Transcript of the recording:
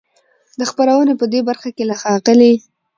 د خپرونې په دې برخه کې له ښاغلي